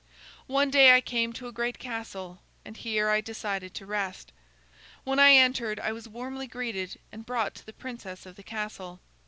"One day I came to a great castle, and here I decided to rest. When I entered, I was warmly greeted and brought to the princess of the castle.